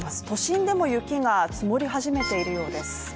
都心でも雪が積もり始めているようです。